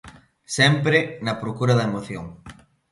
Sempre na procura da emoción.